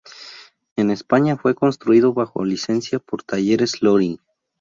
En España fue construido bajo licencia por Talleres Loring.